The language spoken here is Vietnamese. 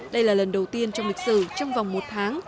đây là lần đầu tiên trong lịch sử trong vòng một tháng